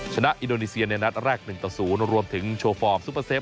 ชนะอินโดนีเซียในนัดแรก๑ต่อ๐รวมถึงโชว์ฟอร์มซุปเปอร์เซฟ